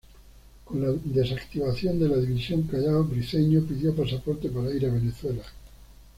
Con la desactivación de la División Callao, Briceño pidió pasaporte para ir a Venezuela.